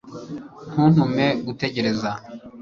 ntuntume gutegereza